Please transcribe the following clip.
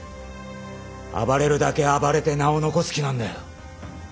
暴れるだけ暴れて名を残す気なんだよ。